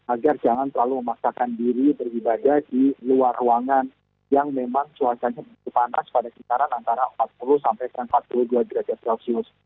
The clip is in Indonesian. agar jangan terlalu memaksakan diri beribadah di luar ruangan yang memang cuacanya panas pada kisaran antara empat puluh sampai empat puluh dua derajat celcius